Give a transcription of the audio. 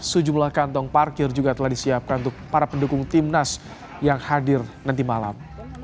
sejumlah kantong parkir juga telah disiapkan untuk para pendukung timnas yang hadir nanti malam